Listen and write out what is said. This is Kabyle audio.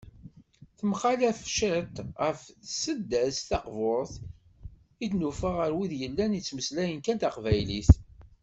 Temxalaf ciṭ ɣef tseddast taqburt i d-nufa ɣer wid yellan ttmeslayen kan taqbaylit.